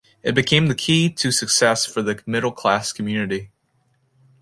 It became the key to success for the middle class community.